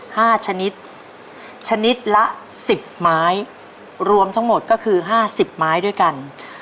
ห้าชนิดชนิดละสิบไม้รวมทั้งหมดก็คือห้าสิบไม้ด้วยกัน